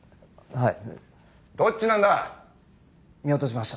はい。